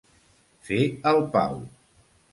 Fer el pau.